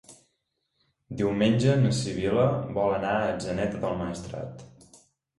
Diumenge na Sibil·la vol anar a Atzeneta del Maestrat.